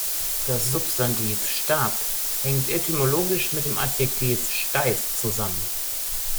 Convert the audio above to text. Das Substantiv Stab hängt etymologisch mit dem Adjektiv "steif" zusammen.